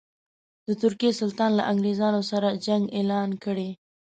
د ترکیې سلطان له انګرېزانو سره جنګ اعلان کړی.